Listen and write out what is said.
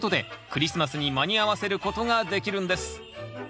クリスマスに間に合わせることができるんです。